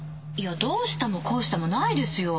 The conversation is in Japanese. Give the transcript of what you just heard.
どうしたもこうしたもないですよ！